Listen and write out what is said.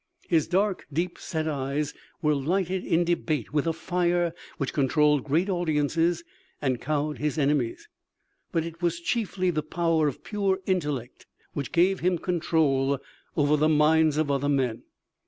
His dark, deep set eyes were lighted in debate with a fire which controlled great audiences and cowed his enemies. But it was chiefly the power of pure intellect which gave him control over the minds of other men.